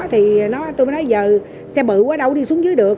thì tôi mới nói giờ xe bự quá đâu đi xuống dưới được